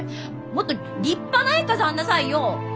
もっと立派な絵飾んなさいよ！